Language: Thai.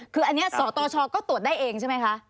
คืออันนี้สตชก็ตรวจได้เองใช่ไหมคะ